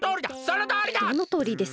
そのとおりだ！